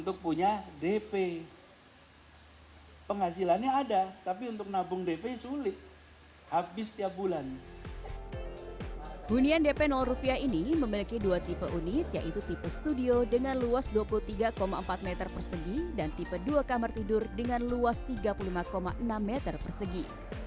hunian dp rupiah ini memiliki dua tipe unit yaitu tipe studio dengan luas dua puluh tiga empat meter persegi dan tipe dua kamar tidur dengan luas tiga puluh lima enam meter persegi